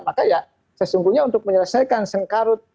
maka ya sesungguhnya untuk menyelesaikan sengkarut